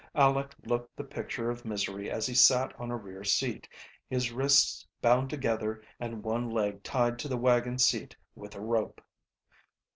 Aleck looked the picture of misery as he sat on a rear seat, his wrists bound together and one leg tied to the wagon seat with a rope.